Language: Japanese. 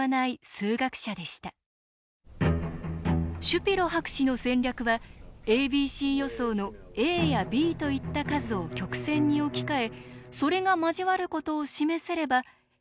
シュピロ博士の戦略はａｂｃ予想のａやｂといった数を曲線に置き換えそれが交わることを示せればａｂｃ